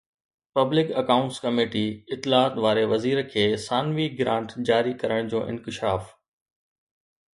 public accounts committee اطلاعات واري وزارت کي ثانوي گرانٽ جاري ڪرڻ جو انڪشاف